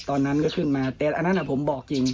ตอนนั้นก็ขึ้นมาแต่อันนั้นผมบอกจริง